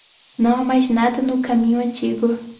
Não há mais nada no caminho antigo.